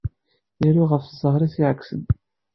Iru ɣef ẓẓher-is iɛeksen.